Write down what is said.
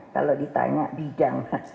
kalau ditanya bidang